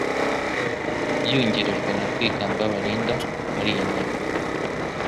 yungirijwe na Rwigamba Barinda muri iyo nteko